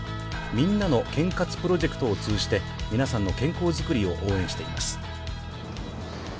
「みんなの健活プロジェクト」を通じて、みなさんの健康づくりを応援しています。